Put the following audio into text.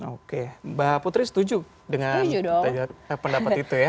oke mbak putri setuju dengan pendapat itu ya